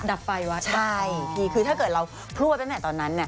ดับไปไว้ใช่คือถ้าเกิดเราพูดไปไหนตอนนั้น